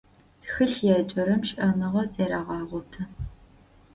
Тхылъ еджэрэм шӀэныгъэ зэрегъэгъоты.